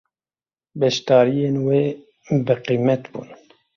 Beşdariyên wê bi qîmet bûn.